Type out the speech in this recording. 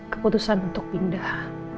keputusan untuk pindah